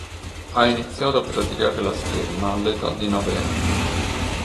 Ha iniziato a praticare la scherma all'età di nove anni.